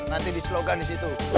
nanti di slogan di situ